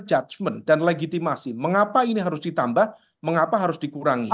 judgement dan legitimasi mengapa ini harus ditambah mengapa harus dikurangi